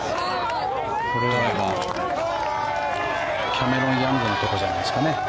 キャメロン・ヤングのところじゃないですかね。